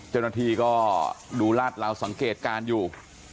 เจ้าหน้าที่ก็ดูลาดเหลาสังเกตการณ์อยู่